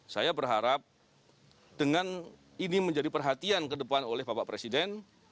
saya berharap dengan ini menjadi perhatian ke depan oleh bapak presiden